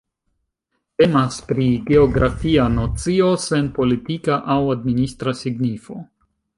Temas pri geografia nocio sen politika aŭ administra signifo.